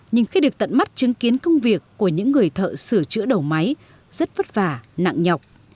nhưng khi được tận mắt chứng kiến công việc của những người thợ sửa chữa đầu máy rất vất vả nặng nhọc